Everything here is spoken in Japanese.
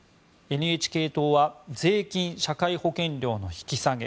ＮＨＫ党は税金・社会保険料の引き下げ。